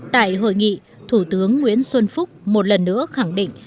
tại hội nghị thủ tướng nguyễn xuân phúc một lần nữa khẳng định